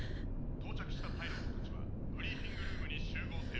到着したパイロットたちはブリーフィングルームに集合せよ。